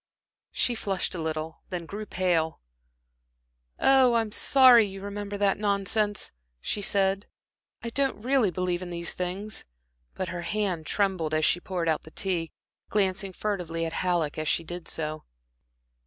She flushed a little, then grew pale. "Oh, I'm sorry you remembered that nonsense," she said. "I don't really believe in these things." But her hand trembled as she poured out the tea, glancing furtively at Halleck as she did so.